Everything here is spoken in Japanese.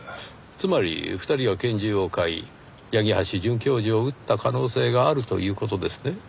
つまり２人は拳銃を買い八木橋准教授を撃った可能性があるという事ですね？